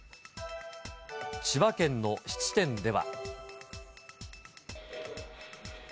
千葉県の質店では。